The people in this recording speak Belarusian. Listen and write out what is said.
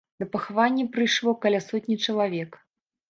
На пахаванне прыйшло каля сотні чалавек.